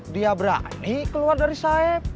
dia berani keluar dari sayap